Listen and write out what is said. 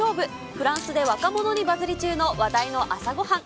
フランスで若者にバズり中の話題の朝ごはん。